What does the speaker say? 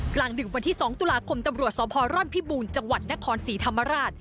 ดึกวันที่๒ตุลาคมตำรวจสพร่อนพิบูรณ์จังหวัดนครศรีธรรมราช